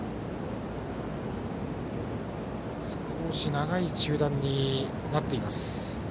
少し長い中断になっています。